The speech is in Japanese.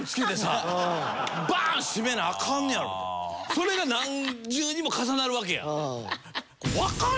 それが何重にも重なるわけや。